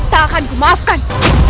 tak akan kumaafkan